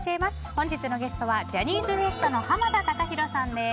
本日のゲストはジャニーズＷＥＳＴの濱田崇裕さんです。